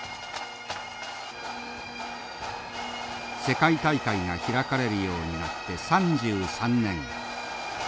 世界大会が開かれるようになって３３年。